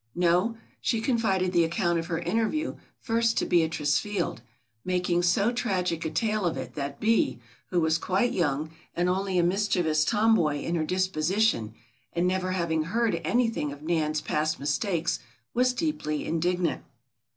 No, she confided the account of her interview first to Beatrice Field, making so tragic a tale of it that Bee, who was quite young and only a mischievous tomboy in her disposition and never having heard anything of Nan's past mistakes, was deeply indignant.